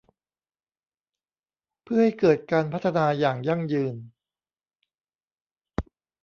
เพื่อให้เกิดการพัฒนาอย่างยั่งยืน